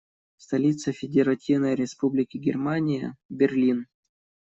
Столица Федеративной Республики Германия - Берлин.